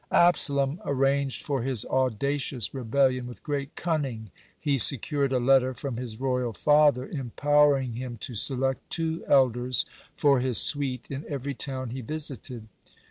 Absalom arranged for his audacious rebellion with great cunning. He secured a letter from his royal father empowering him to select two elders for his suite in every town he visited.